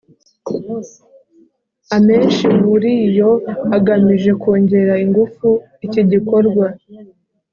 amenshi muri yo agamije kongera ingufu iki gikorwa.